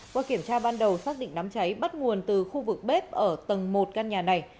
qua kiểm tra ban đầu xác định đám cháy bắt nguồn từ khu vực bếp ở tầng một căn nhà này